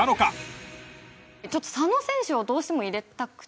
ちょっと佐野選手をどうしても入れたくて。